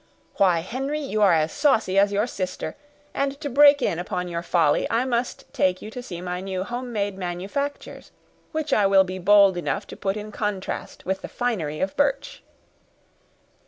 "Why, Henry, you are as saucy as your sister; and to break in upon your folly, I must take you to see my new home made manufactures, which I will be bold enough to put in contrast with the finery of Birch."